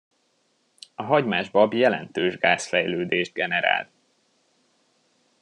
A hagymás bab jelentős gázfejlődést generál.